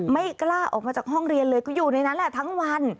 ไม่กล้าออกมาจากห้องเรียนเลยก็อยู่ในนั้นแหละทั้งวัน